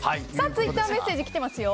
ツイッターメッセージきてますよ。